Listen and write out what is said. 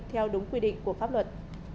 theo đúng quy định của pháp luật